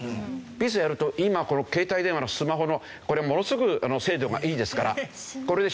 ピースやると今この携帯電話のスマホのこれものすごく精度がいいですからこれで。